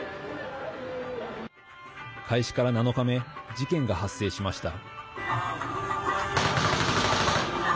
開始から７日目事件が発生しました。